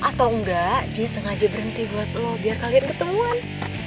atau enggak dia sengaja berhenti buat lo biar kalian ketemuan